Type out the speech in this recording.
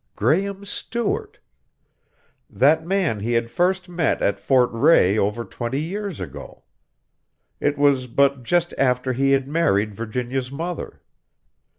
Graehme Stewart! That man he had first met at Fort Rae over twenty years ago. It was but just after he had married Virginia's mother.